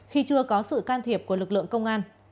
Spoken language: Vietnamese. khi chưa có sự can thiệp của lực lượng công an